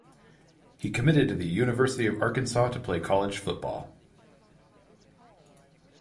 He committed to the University of Arkansas to play college football.